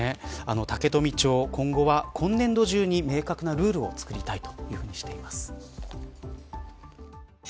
竹富町、今後は今年度中に明確なルールを作りたいとしています。